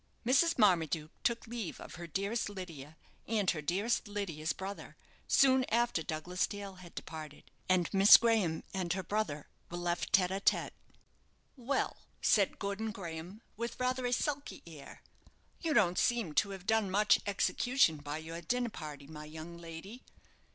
Mrs. Marmaduke took leave of her dearest Lydia, and her dearest Lydia's brother, soon after Douglas Dale had departed, and Miss Graham and her brother were left tête à tête. "Well," said Gordon Graham, with rather a sulky air, "you don't seem to have done much execution by your dinner party, my young lady.